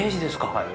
はい。